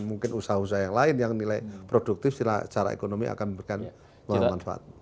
mungkin usaha usaha yang lain yang nilai produktif secara ekonomi akan memberikan manfaat